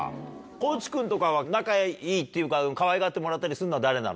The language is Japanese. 地君とかは仲いいっていうかかわいがってもらったりすんのは誰なの？